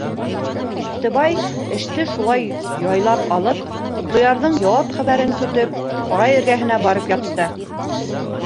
Истебай, эште шулай яйлап алып, Ҡотлоярҙың яуап хәбәрен көтөп, һарай эргәһенә барып ятты.